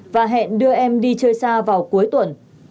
và hẹn đưa em đi chơi xa vào cuối tuần